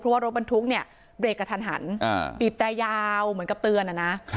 ว่ารถบรรทุกเนี่ยเบรกกระทันหันบีบแต่ยาวเหมือนกับเตือนนะ